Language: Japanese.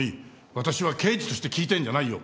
私は刑事として聞いてるんじゃないよ。